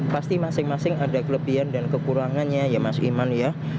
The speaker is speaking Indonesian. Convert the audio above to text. pasti masing masing ada kelebihan dan kekurangannya ya mas iman ya